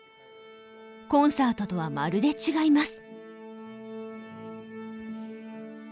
コンサートとはまるで違います。